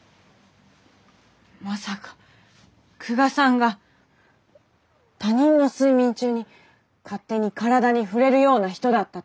まさか久我さんが他人の睡眠中に勝手に体に触れるような人だったとは。